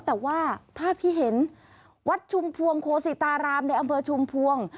แต่ว่าภาพที่เห็นวัดชุมพวงโคศิตารามในอำเภอชุมพวง